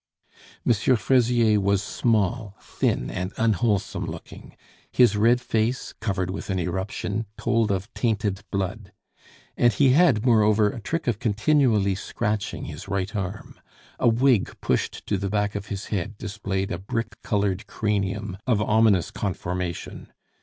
M. Fraisier was small, thin, and unwholesome looking; his red face, covered with an eruption, told of tainted blood; and he had, moreover, a trick of continually scratching his right arm. A wig pushed to the back of his head displayed a brick colored cranium of ominous conformation.